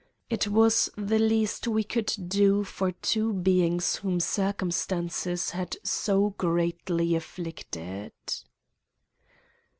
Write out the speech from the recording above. It was the least we could do for two beings whom circumstances had so greatly afflicted.